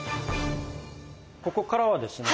ここからはですね